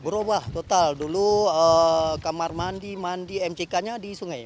berubah total dulu kamar mandi mandi mck nya di sungai